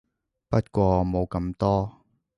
不過冇咁多